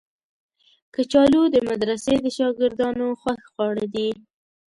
کچالو د مدرسې د شاګردانو خوښ خواړه دي